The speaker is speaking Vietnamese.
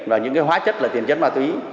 và những hóa chất là tiền chất ma túy